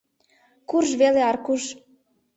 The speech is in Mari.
— Курж веле, Аркуш...